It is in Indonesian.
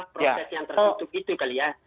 pak proses yang terhutup itu kali ya